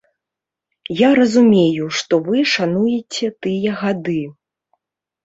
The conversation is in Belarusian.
Я разумею, што вы шануеце тыя гады.